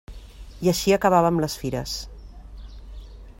I així acabàvem les fires.